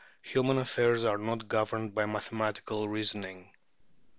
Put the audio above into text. Human affairs are not governed by mathematical reasoning.